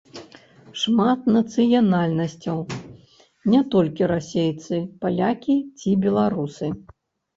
Шмат нацыянальнасцяў, не толькі расейцы, палякі ці беларусы.